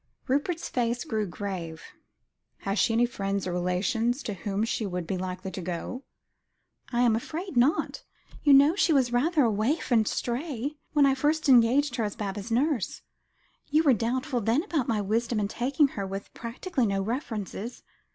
Rupert's face grew grave. "Has she any friends or relations to whom she would be likely to go?" "I am afraid not. You know she was rather a waif and stray, when I first engaged her as Baba's nurse. You were doubtful then about my wisdom in taking her with practically no references.